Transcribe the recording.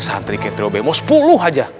santri kek trio bmw sepuluh aja